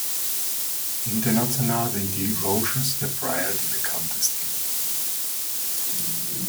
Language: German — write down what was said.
International sind die "Rochers de Freyr" die bekanntesten.